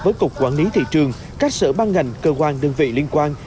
với cục quản lý thị trường các sở ban ngành cơ quan đơn vị liên quan